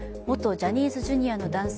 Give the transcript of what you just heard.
ジャニーズＪｒ．の男性